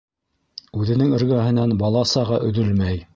Үҙенең эргәһенән бала-саға өҙөлмәй.